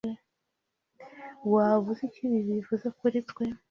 Waba uzi icyo ibi bivuze kuri twe?